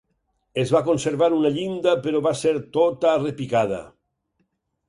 Es va conservar una llinda però va ser tota repicada.